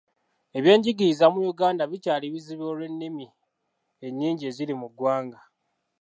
Ebyengigiriza mu Yuganda bikyali bizibu olw'ennimi ennyingi eziri mu gwanga.